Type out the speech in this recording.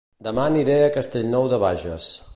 Dema aniré a Castellnou de Bages